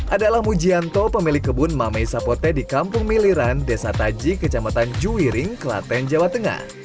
adalah mujianto pemilik kebun mamei sapote di kampung miliran desa taji kecamatan juwiring kelaten jawa tengah